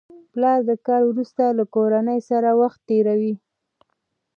پلر د کار وروسته له کورنۍ سره وخت تېروي